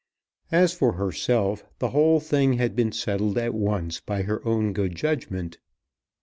As for herself, the whole thing had been settled at once by her own good judgment.